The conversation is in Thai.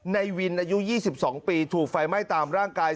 ในวินอายุ๒๒ปีถูกไฟไหม้ตามร่างกาย